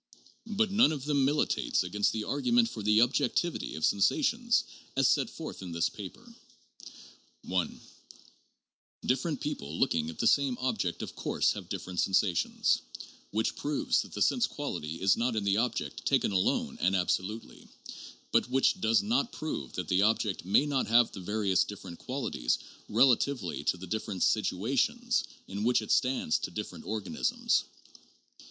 But none of them militates against the argu ment for the objectivity of sensations as set forth in this paper. (1) Different people looking at the same object of course have dif ferent sensations, which proves that the sense quality is not in the object taken alone and absolutely, but which does not prove that the object may not have the various different qualities relatively to the different situations in which it stands to different organisms.